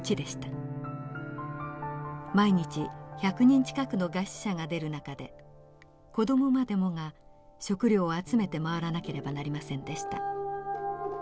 毎日１００人近くの餓死者が出る中で子どもまでもが食料を集めて回らなければなりませんでした。